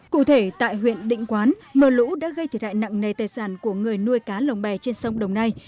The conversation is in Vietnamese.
cụ thể tại huyện định quán mưa lũ đã gây thiệt hại nặng nề tài sản của người nuôi cá lồng bè trên sông đồng nai